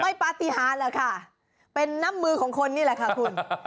ปฏิหารหรอกค่ะเป็นน้ำมือของคนนี่แหละค่ะคุณ